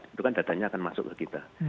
itu kan datanya akan masuk ke kita